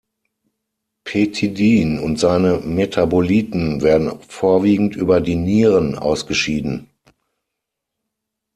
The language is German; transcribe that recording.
Pethidin und seine Metaboliten werden vorwiegend über die Nieren ausgeschieden.